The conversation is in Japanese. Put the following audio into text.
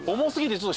［ちょっと！